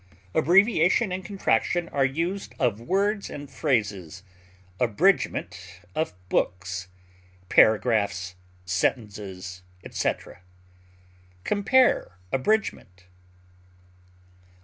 Abbreviation and contraction are used of words and phrases, abridgment of books, paragraphs, sentences, etc. Compare ABRIDGMENT.